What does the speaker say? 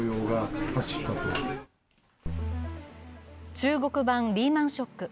中国版リーマン・ショック